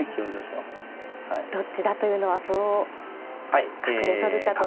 「どっちだ？」というのは歩を角で取るかとか。